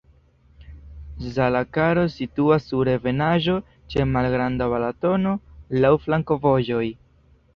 Zalakaros situas sur ebenaĵo, ĉe malgranda Balatono, laŭ flankovojoj.